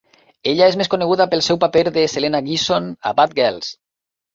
Ella és més coneguda pel seu paper de Selena Geeson a "Bad Girls".